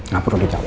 gak perlu dicabut